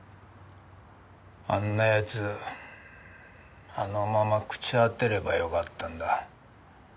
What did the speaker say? あんな奴あのまま朽ち果てればよかったんだ。